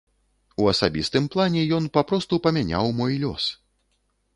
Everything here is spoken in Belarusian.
У асабістым плане ён папросту памяняў мой лёс.